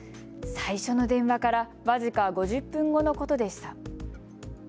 最初の電話から僅か５０分後のことでした。